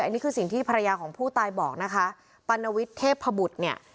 อันนี้คือสิ่งที่ภรรยาของผู้ตายบอกนะคะปัณวิทย์เทพบุตรเนี่ย